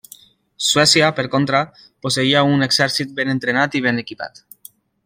Suècia, per contra, posseïa un exèrcit ben entrenat i ben equipat.